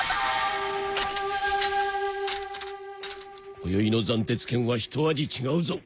今宵の斬鉄剣はひと味違うぞ。